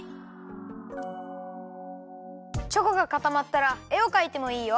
チョコがかたまったらえをかいてもいいよ。